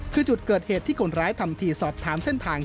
คือจุดเกิดเหตุที่คนร้ายทำทีสอบถามเส้นทาง